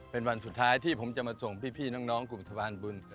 เป็นวันสุดท้ายที่ผมจะมาส่งพี่น้องกลุ่มทะบานบุญ